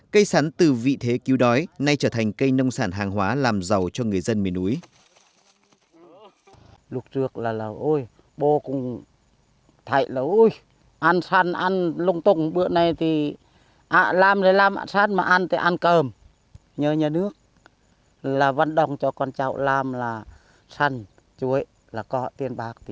cây sắn từ vị thế cứu đói nay trở thành cây nông sản hàng hóa làm giàu cho người dân miền núi